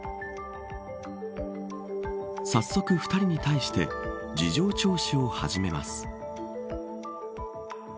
早速２人に対して事情聴取を始めます。